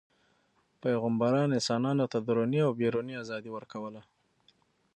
پیغمبران انسانانو ته دروني او بیروني ازادي ورکوله.